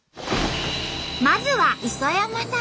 まずは磯山さん。